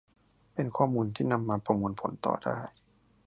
เป็นข้อมูลที่นำมาประมวลผลต่อได้